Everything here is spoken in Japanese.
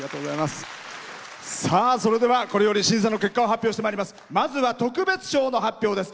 それでは、これより審査の結果を発表してまいります。